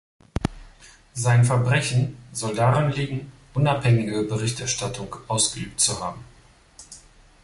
Sein Verbrechen soll darin liegen, unabhängige Berichterstattung ausgeübt zu haben.